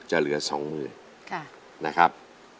จะเหลือ๒๐๐๐๐บาท